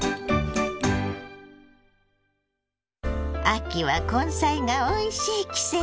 秋は根菜がおいしい季節。